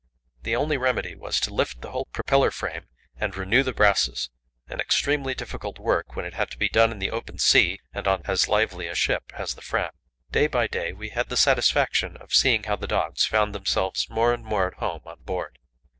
The only remedy was to lift the whole propeller frame and renew the brasses an extremely difficult work when it had to be done in the open sea and on as lively a ship as the Fram. Day by day we had the satisfaction of seeing how the dogs found themselves more and more at home on board.